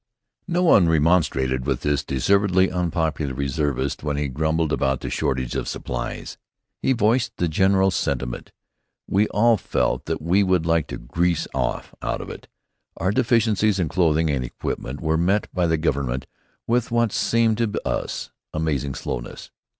No one remonstrated with this deservedly unpopular reservist when he grumbled about the shortage of supplies. He voiced the general sentiment. We all felt that we would like to "grease off" out of it. Our deficiencies in clothing and equipment were met by the Government with what seemed to us amazing slowness.